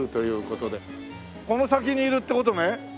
この先にいるって事ね？